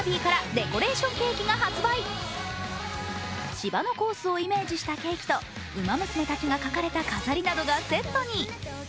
芝のコースをイメージしたケーキとウマ娘たちが描かれた飾りなどがセットに。